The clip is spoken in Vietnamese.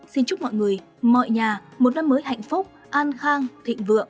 xin chúc mọi người mọi nhà một năm mới hạnh phúc an khang thịnh vượng